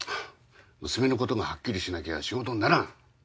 娘のことがはっきりしなきゃ仕事にならん。